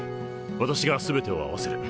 私が全てを合わせる。